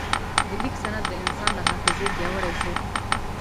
د لیک سند د انسان له حافظې پیاوړی شو.